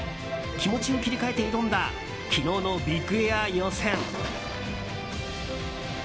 気持ちを切り替えて挑んだ昨日のビッグエア予選。